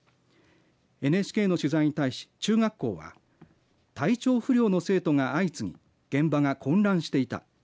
ＮＨＫの取材に対し、中学校は体調不良の生徒が相次ぎ現場が混乱していた。